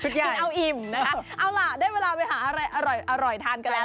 กินเอาอิ่มนะคะเอาล่ะได้เวลาไปหาอะไรอร่อยทานกันแล้ว